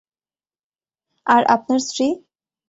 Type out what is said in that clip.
আর আপনার স্ত্রী?